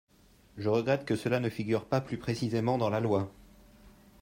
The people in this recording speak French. Je regrette que cela ne figure pas plus précisément dans la loi.